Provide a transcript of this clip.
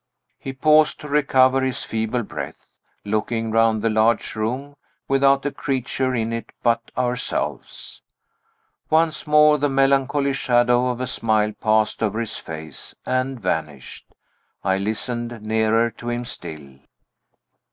He paused to recover his feeble breath; looking round the large room, without a creature in it but ourselves. Once more the melancholy shadow of a smile passed over his face and vanished. I listened, nearer to him still.